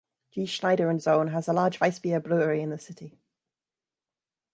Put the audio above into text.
G. Schneider and Sohn has a large weissbier brewery in the city.